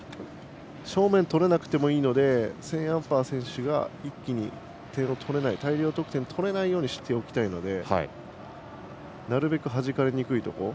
正面をとれなくてもいいのでセーンアンパー選手が一気に点を取れない大量得点を取れないようにしておきたいのでなるべくはじかれにくいところ。